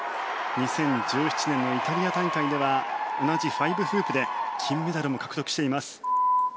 ２０１７年のイタリア大会では同じ５フープで金メダルも獲得しています。